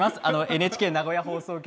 ＮＨＫ名古屋放送局